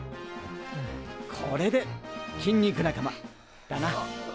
これで筋肉仲間だな！